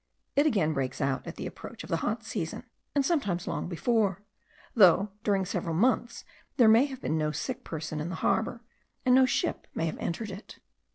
It again breaks out at the approach of the hot season, and sometimes long before; though during several months there may have been no sick person in the harbour, and no ship may have entered it.